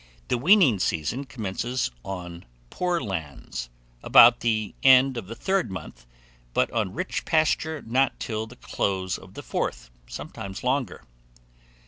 The weaning season commences on poor lands, about the end of the third month, but on rich pasture not till the close of the fourth sometimes longer.